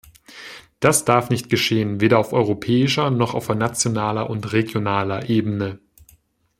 Das darf nicht geschehen, weder auf europäischer, noch auf nationaler oder regionaler Ebene.